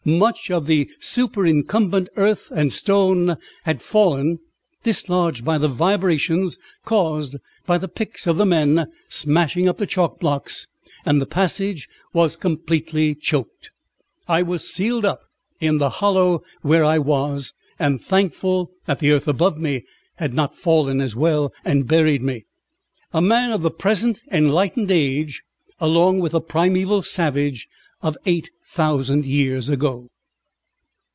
Much of the superincumbent earth and stone had fallen, dislodged by the vibrations caused by the picks of the men smashing up the chalk blocks, and the passage was completely choked. I was sealed up in the hollow where I was, and thankful that the earth above me had not fallen as well, and buried me, a man of the present enlightened age, along with the primeval savage of eight thousand years ago.